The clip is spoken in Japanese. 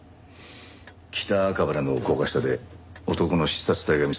北赤羽の高架下で男の刺殺体が見つかった。